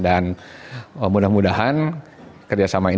dan mudah mudahan kerjasama ini